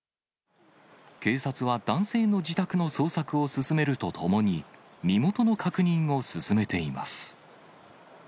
警察は男性の自宅の捜索を進めるとともに、身元の確認を進めています。